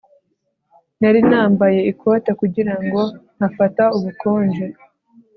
Nari nambaye ikote kugira ngo ntafata ubukonje